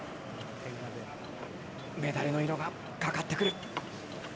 メダルの色がかかってくる。